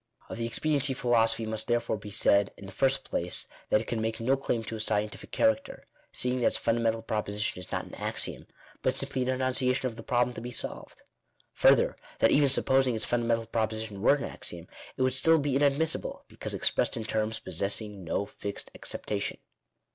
Of the expediency philosophy it must therefore he said, in the first place, that it can make no claim to a scientific charac ter, seeing that its fundamental proposition is not an axiom, hut simply an enunciation of the problem to he solved. Further, that even supposing its fundamental proposition were an axiom, it would still be inadmissible, because expressed in terms possessing no fixed acceptation.